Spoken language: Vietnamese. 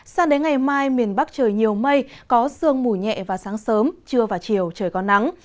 sang đến ngày mai miền bắc trời nhiều mây có sương mù nhẹ vào sáng sớm trưa và chiều trời có nắng